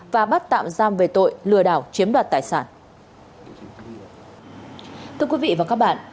và bắt tạm giam về tội lừa đảo chiếm đoạt tài sản